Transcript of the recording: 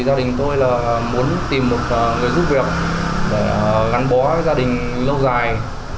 gia đình tôi muốn tìm một người giúp việc để gắn bó gia đình lâu dài